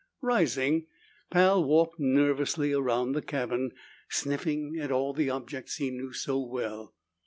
Rising, Pal walked nervously around the cabin, sniffing at all the objects he knew so well.